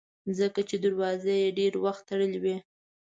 ځکه چې دروازې یې ډېر وخت تړلې وي.